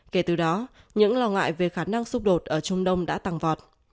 kể từ đó những lo ngại về khả năng xung đột ở trung đông đã tăng vọt